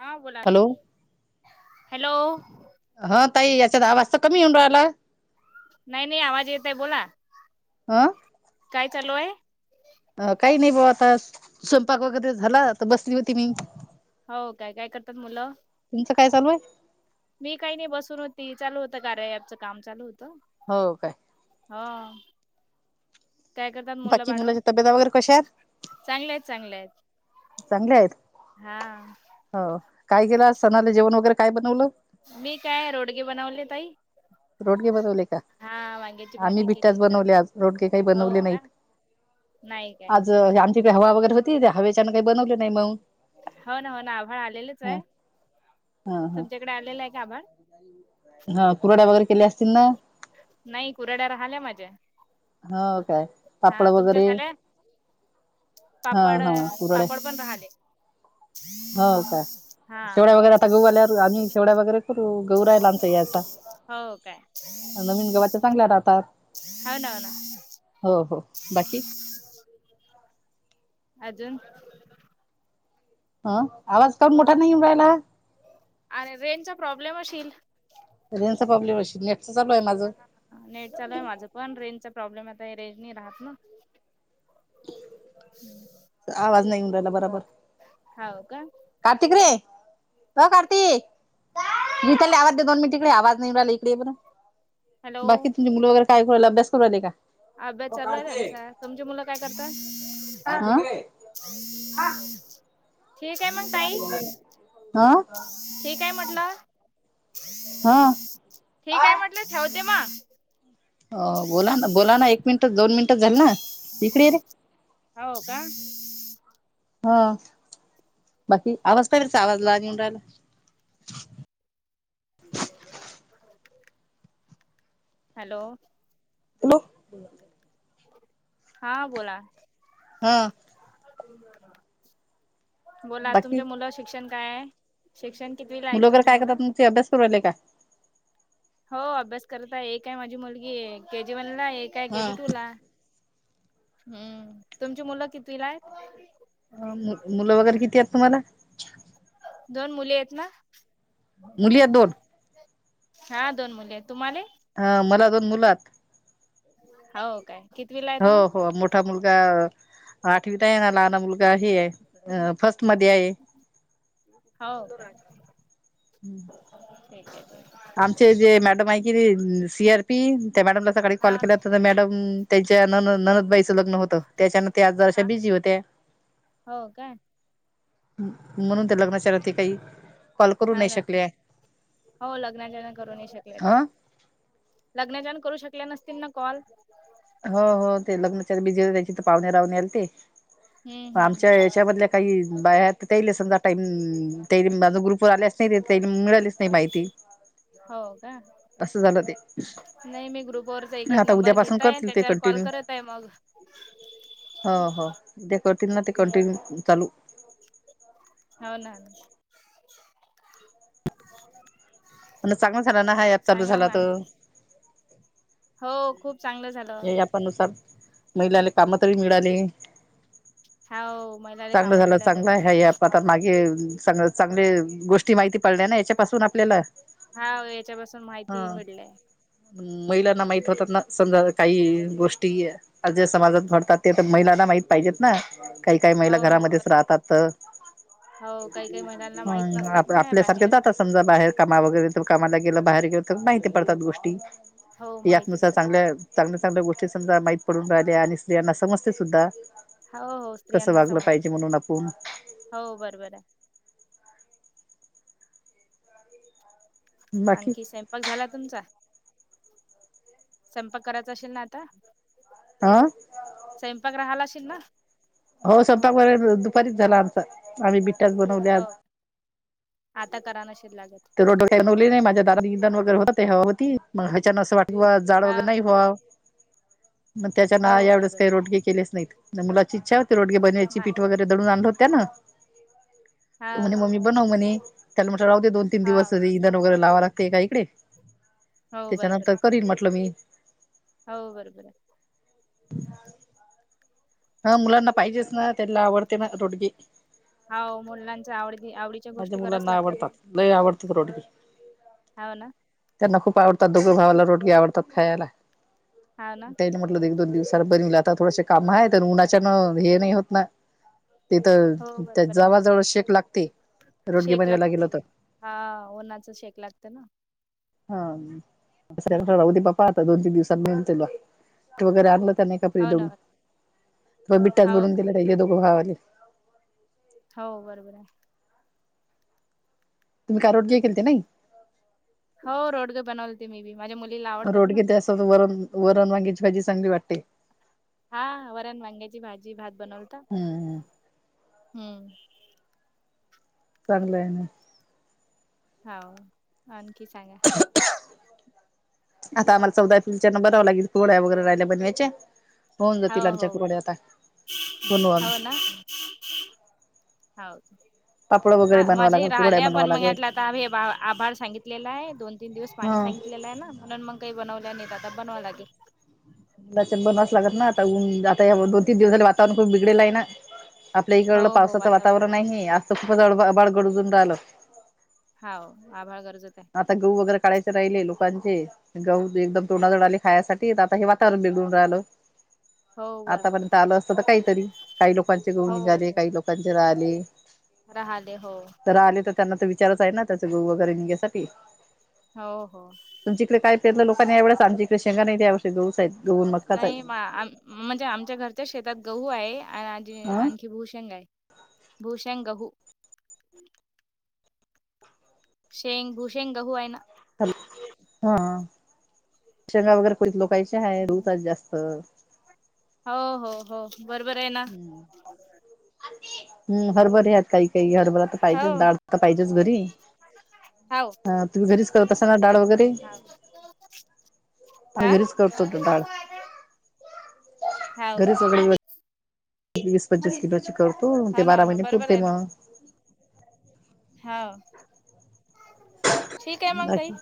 हा बोला hello hello हा ताई याच्यात आवाज तर कमी होऊन राहिलाय. नाही नाही आवाज येतय बोला ह काय चालू आहे? अ काही नाही बुवा आता स्वयंपाक वगैरे झाला तर बसली होती मी. हो काय काय करतात मुलं? तुमचं काय चालू आहे? मी काही नाही बसून होती चालू होतं कार्या ॲपच काम चालू होतं. हो काय? हा काय करतात मुलं बाकी बाळ? मुलाच्या तब्येता वगैरे कशा आहेत चांगले आहेत चांगले आहेत. चांगले आहेत हा हो काय केलं सणाला जेवण वगैरे काय बनवलं? मी काय रोडगे बनवले ताई. रोडगे बनवले का हा वांग्याची भाजी केली थालीपीठं बर बनवले आज रोडगे काही हो बनवले का नाहीत. नाही काय. ज आमची इकडे हवा वगैरे होती त्या हवेच्यानं काही बनवले नाही मग. हो ना हो ना, आभाळ आलेलंच ह आहे ह तुमच्याकडे आलेलं आहे का आभाळ. ह [inaudible] हा, कुरडया वगैरे केल्या''--'' असतील ना नाही कुरड्या राहिल्या माझ्या. हो, काय पापड हा तुमच्या वगैरे. झाल्या हा पापड हा कुरड्या पापड पण राहिले. हो, काय हा शेवड्या वगैरे आता गल्यावर आम्ही शेवड्या वगैरे. गव राहिला आमचा याचा हो काय नवीन गव्हाच्या चांगल्या राहतात. हो ना हो ना, हो हो, बाकी. अजून. ह, आवाज का मोठा नाही येऊन राहायला. आणि रेंचा प्रॉब्लेम असशील. रेनचा प्रॉब्मशी नेटच चालू आहे माझं. नेट चालू आहे माझं पण रेंज चा प्रॉब्लेम आता रेंजी राहत ना. हम्. आवाज नाही येऊन राहिला बरोबर. हव का. कतिकरे. हो, कार्तिक भथले आवाज द दोन मी तिकडे आवाज निवडला इकडे बर. हॅलो. बाकी तुमची मुलं वगैरे काय करायला अभ्यास करायले का. अभ्यास चालू आहे त्यांचा तुमची मुलं काय करतात. हा, ठीक आहे मग ताई हा, ठीक आहे म्हटलं. हा, ठीक आहे म्हटलं ठेवते मग. अ, बोला बोलाना एक मिनिट दोन मिनिट झाली ना इकडे रे. हो का, हा, बाकी आवाज काय वचा आवाज लहान येऊन रायला. [unintelligible] हॅलो, हॅलो, हा, बोला. हम, बोला बाकी तुमच्या मुलावर शिक्षण काय आहे. शिक्षण कितवि ला आहेत वगैरे तुमच्या काय मुलं. करतात मग ते अभ्यास करून राहिले का. हो, अभ्यास करता एक आहे माझी मुलगी के जी वनला एक. काय केजी हा. टू ला हम्, तुमची मुलं किती ला आहेत. मुलं वगैरे किती आहेत तुम्हाला. दोन मुली आहेत ना. मुली हेत दोन. हा दोन मुली आहेत तुम्हाले. हा मला दोन मुलं हात हाव काय कितवीला हेत हो मग. हो मोठा मुलगा आठवीत आहे ना लहना मुलगा हे अ फर्स्ट मध्ये आहे. हाव काय ठीक हे ठीक हे जे मॅडम आहे की सी आर पी त्या मॅडमला सकाळी हा कॉल केला होता तर मॅडम. त्यांच्या नन ननदबाईचं लग्न होतं त्याच्यान त्या आज जराशा हा बिझी होत्या. हो का. म्हणून त्या लग्नाच्या रती काही. कॉल करू हा नाही ना शकले. हो लग्नाच्यान करू येशा शकले ह ते. लग्नच्यान करू शकल्या नसतील ना कॉल? हो हो ते लग्नाच्यात बिझी होते ते पाहुणे राहूने आलते हम्म मग आमच्या हम्म त्याच्यामधल्या काही बाया आहेत त्याले समजा टाईम त्या माझं ग्रुपवर आल्या असत्याच काही मिळाल्या असतील. नही माहित. हो का. असं झालं ते. नाही मी ग्रुपवररचा एक एक आता नंबर उद्यापासून घेतय करतील ते त्याच्यावर कॉल कंटिन्यू करत आहे मग. हो हो ते करतील ना ते कंटिन्यू चालू... हा ना.... म्हणलं चांगला झाला ना हायात चालू सांगा झाला मग त आणखी हो खूप चांगलं झालं. अनुसार. हाव महिलाले चांगलं कामं झालं मिळाले चांगलं आहे ह्यात. मग आता मागे सगळ चांगले गोष्टी माहिती पडल्या ना याच्यापासून आपल्याला. हाव याच्यापासून माहिती हं मिळलंय महिलांना माहित हम्म होतातना. समजा काही गोष्टी जे समाजात घडतात ते पण महिलांना माहीत पाहिजेत ना काही काही हो महिला हो ब घरामध्येच राहतात तर. हो काही काही महिलांना माहित हम, नसतात आप ना या आपल्यासारख्या बाकीच्या घरात जातात समजा बाहेर. कामा वगैरे तर कामाला गेलं बाहेर गेल तर माहिती पडतात गोष्टी हो माहिती यातनुसार पडत चांगल्या चांगल्या चांगल्या गोष्टी समजा माहीत पडून राहिल्या आणि स्त्रीयांना समजते सुद्धा. हाव हौस कसं वागलं पाहिजे म्हणून आपुन. हो बरोबर आहे. बाकी आणखी सेम. काॅल झाला तुमचा? स्वयंपाक करायचा अशीन ना आता. हं स्वयंपाक राहाला अशीन ना हो स्वयपाक वैगरे दुपारीच झाला आमचा आम्ही बिट्याच बनवल्या आज. हो. आता करा नशील लागत. [unintelligible] जाड वगैरे हा नाही बुवा मग त्याच्यान हा हो एवढेच बरोबर की, आहे. रोडगे हे केलेच नाहीत. मुलाची इच्छा होती रोडगे बनवायची नाही पीठ वगैरे दडून आणलं होतं ना हा त म्हणे हो मम्मी बनव म्हणे त्याला म्हट लावते दोन तीन हा दिवसरी इंधन वगैरे लावा लागते का इकडे. हो त्याच्यानंतर करीन म्हटल मी. हाव बरोबरं आहे. हा मुलांना पाहिजेच ना, त्यांना आवडते ना रोडगी. हाव मुलांच्या आवडी आवडीच्या गोष्टी कराव्याच लागतात ना, लई आवडती रोटगी ह्याव ना त्यांना खूप आवडतात. दोघे भावाला रोटगी आवडतात खायला हाव ना त्याने म्हटलं एक दोन दिवस तर बनवली आता थोडसे काम आहे तर उन्हाच्यान हे नाही होत ना, तिथ हो ते बरोबर आहे. जवाळजवळ शेक लागते. रोडगी शेक बनवायला लागते, गेलं तर हा ऊन्हाच शेक लागते ना हा दुसऱ्याना हम्म. राहू दे, बाप्पा आता दोन तीन दिवसात [unintelligible] वगैरे आणलं का नाही? कपरी हो ना दडून बिटात हो भरून काय? दिला हे दोघं भाव आले. हो बरोबर हाय. तुम्ही काय रोटगी केलती नाही. हाव रोगडे बनवते होते मी बी माझ्या मुलीला आवडतात ना. रोडगे ते असत वरण वरण वांग्याची भाजी चांगली वाटते. हां वरण, वांग्याची भाजी, भात बनवलता हम्म होता. चांगलं आहे ना, हांव आणखी सांगा [inaudible] आता आम्हाला चौदा एप्रिलच्या बघावं लागेल गोड्या वगैरे राहिल्या बनवायच्या होऊन हो जातील आमच्या हो कुबड्या आता बरोबर बनवू आम्ही [inaudible] हाव पापड वगैर ह माझे हे राहिले पण मग यातला आता आम्ही बा आभार सांगितलेला आहे. दोन, तीन दिवस पाणी हा सांगितलेलं आहे ना, म्हणून मग काही बनवल्या नाही आता बनवावं लागेल. तुला ते बनवास लागत ना आता ऊन्ह जादा आता दोन तीन दिवसाले वातावरण खूप बिगडेलं आहे ना, आपल्या हो इकड हो पावसाचं वातावरण आहे आभाळ गरजुन राहिलं हांव आभाळ गर्जत आहे. आता गहू वगैरे काढयचे राहिले लोकांचे गहू एकदम हो तोंडाजवळ आले. खायासाठी आता हे वातावरण बिघडून राहिलं. हो बरोबर आहे. आतापर्यंत आलं असतं तर काहीतरी काही लोकांचे गहू निघाले, काही लोकांचे राहिले. राहिले हो जर आले तर त्यांना तर विचारच आहे ना, त्याच गहू वगैरे निघायसाठी हो, हो तुमच्या इकडं काय पेरल लोकांनी या वेळेस आमच्या इकडे शेंगा नाही यावर्षी गहूच आहेत गहू आणि मक्काच नाही आहे मा म्हणजे आमच्या घरच्या शेतात गहू आहे आजी हं आणि भू शेंगा आहे भू शेंग गहू शेंग भूशेंग गहू आहे ना, ह हा शेंगा वगैरे कोणीत लोकायची आहे धूप आहे जास्त हो हो हो बरोबर आहे ना, हं हरभरा आहेत काही काही हरभरा तर हो पाहिजेच, डाळ तर पाहिजेच घरी हो हो हं तुम्ही घरीच करत असाल ना डाळ वगैरे आम्ही हा घरीच करतो डाळ हो घरी काय सगळे वीस, पंचवीस किलोची करतो हो ते ना हो बारा ना महिने बरोबर पुरते मग, हा. [inaudible] बाकी, ताई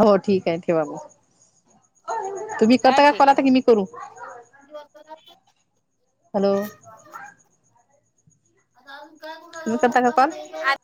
हो ठीक आहे ठेवा मग. तुम्ही हा करता का कॉल ठीक आता की मग. मी करू [inaudible] हॅलो. [unintelligible] तुम्ही करता का कॉल [inaudible]